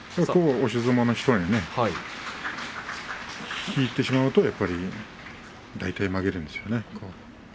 押し相撲の人は引いてしまうと大体負けるんですよね。